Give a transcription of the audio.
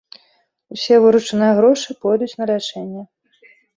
Усе выручаныя грошы пойдуць на лячэнне.